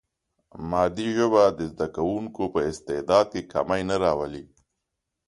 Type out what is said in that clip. مادي ژبه د زده کوونکي په استعداد کې کمی نه راولي.